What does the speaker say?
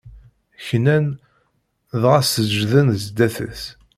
Knan, dɣa seǧǧden zdat-s.